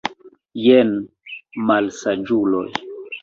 Jen, malsaĝuloj!